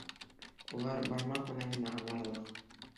Улар бармаҡ менән генә һанарлыҡ.